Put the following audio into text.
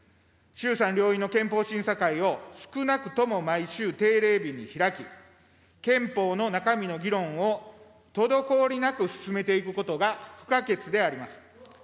衆参両院の憲法審査会を少なくとも毎週定例日にひらき、憲法の中身の議論を滞りなく進めていくことが不可欠であります。